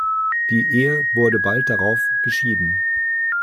Die Ehe wurde bald darauf geschieden.